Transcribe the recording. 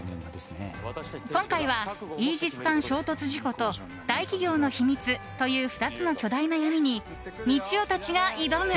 今回はイージス艦衝突事故と大企業の秘密という２つの巨大な闇にみちおたちが挑む。